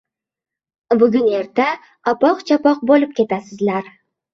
Bugun-erta apoq-chapoq bo‘lib ketasizlar.